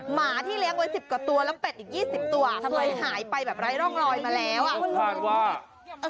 หมาที่เลี้ยงกว่าสิบกว่าตัวแล้วเป็ดอีกยี่สิบตัวเพราะหายไปแบบไร้ร่องรอยมาแล้วคุณนึกออกป่ะ